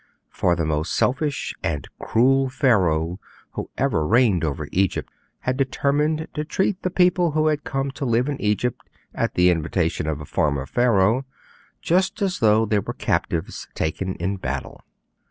For the most selfish and cruel Pharaoh who ever reigned over Egypt had determined to treat the people who had come to live in Egypt, at the invitation of a former Pharaoh, just as though they were captives taken in battle.